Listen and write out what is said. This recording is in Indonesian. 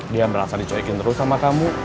dia berasa dicuekin terus sama kamu